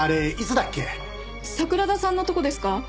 桜田さんのとこですか？